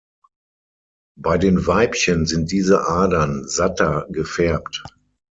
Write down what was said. Bei den Weibchen sind diese Adern satter gefärbt.